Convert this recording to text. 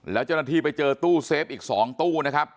แล้วเจ้าหน้าที่ไปเจอตู้เซฟอีก๒ตู้นะครับ